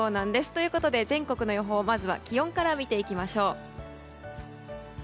ということで全国の予報まずは気温から見ていきます。